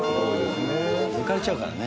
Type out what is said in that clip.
抜かれちゃうからね。